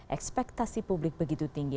ekspektasi publik begitu tinggi